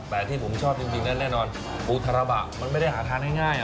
แต่ที่ผมชอบจริงนั้นแน่นอนปูทาระบะมันไม่ได้หาทานง่าย